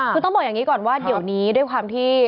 คือต้องบอกอย่างนี้ก่อนว่าเดี๋ยวนี้ด้วยความที่